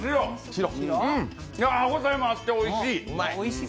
歯応えもあっておいしい！